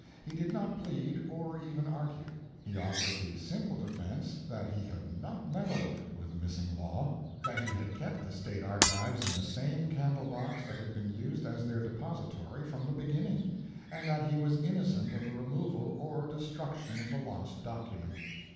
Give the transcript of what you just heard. He did not plead, or even argue; he offered the simple defense that he had not meddled with the missing law; that he had kept the state archives in the same candle box that had been used as their depository from the beginning; and that he was innocent of the removal or destruction of the lost document.